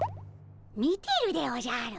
見てるでおじゃる。